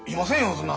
そんな。